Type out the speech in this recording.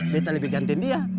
meta lebih ganteng dia